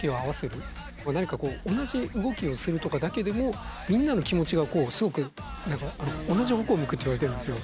何か同じ動きをするとかだけでもみんなの気持ちがすごく同じ方向を向くといわれてるんですよ。